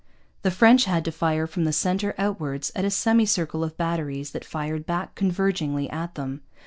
The French had to fire from the centre outwards, at a semicircle of batteries that fired back convergingly at them.